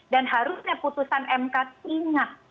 dan harusnya putusan mkt ingat